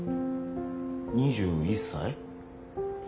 ２１歳？